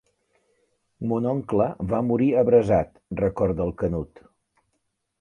Mon oncle va morir abrasat, recorda el Canut.